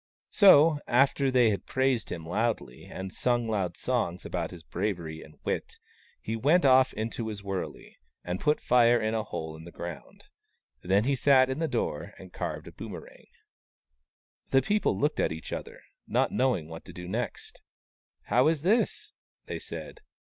So after they had praised him very loudly and sung loud songs about his bravery and wit, he went off into his wurley, and put Fire in a hole in the 58 WAUNG, THE CROW ground. Then he sat in the doorway and carved a boomerang. The people looked at each other, not knowing what to do next. " How is this ?" they said.